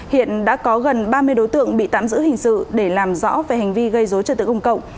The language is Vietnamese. hiện đã có gần ba mươi đối tượng bị tạm giữ hình sự để làm rõ về hành vi gây dối trật tự công cộng